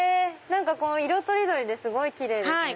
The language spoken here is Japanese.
色取り取りですごいキレイですね。